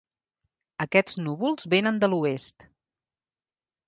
Aquests núvols venen de l'oest.